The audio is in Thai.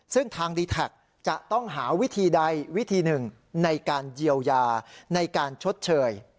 ซึ่งทางดีแท็กจะต้องหาวิธีใดวิธีหนึ่งในการเยียวยาในการชดเชย